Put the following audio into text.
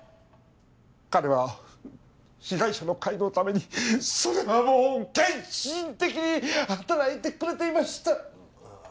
彼は被害者の会のためにそれはもう献身的に働いてくれていました。